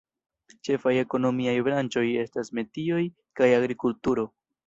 Ĉefaj ekonomiaj branĉoj estas metioj kaj agrikulturo.